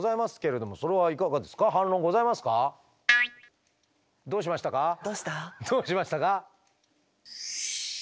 どうしましたか？